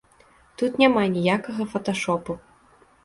Тут няма ніякага фаташопу.